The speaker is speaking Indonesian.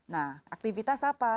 nah aktivitas apa